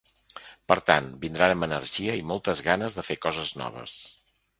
Per tant, vindran amb energia i moltes ganes de fer coses noves.